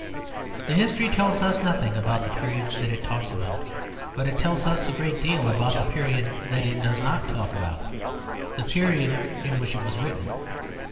The history tells us nothing about the periods that it talks about; but it tells us a great deal about the period that it does not talk about; the period in which it was written.